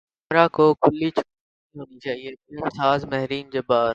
پیمرا کو کھلی چھوٹ نہیں ہونی چاہیے فلم ساز مہرین جبار